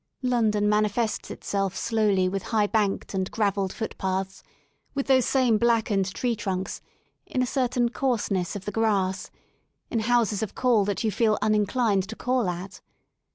London manifests itself slowly with high banked and gravelled footpaths, with those same blackened tree trunks, in a certain coarseness of the grass, in houses of call that you feel uninclined to call at.